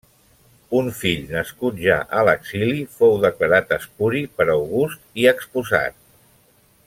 Un fill nascut ja a l'exili fou declarat espuri per August i exposat.